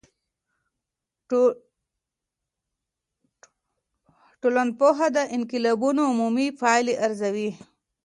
ټولنپوه د انقلابونو عمومي پایلي ارزوي.